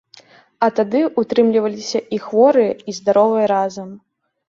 А тады ўтрымліваліся і хворыя, і здаровыя разам.